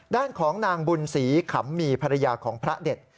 ด้านของนางบุญศรีขำมีภรรยาของพระเด็ด